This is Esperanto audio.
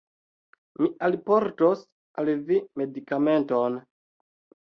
Mi alportos al vi medikamenton